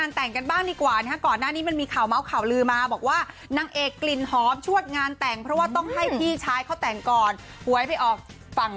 นะครับก่อนหน้านี้มันมีข่าวเมาซ์ข่าวลือมาบอกว่านางเอกกลิ่นหอมชวดงานแต่งเพราะว่าต้องให้พี่ชายเค้าแต่งก่อน